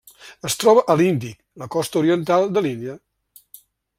Es troba a l'Índic: la costa oriental de l'Índia.